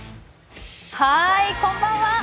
こんばんは。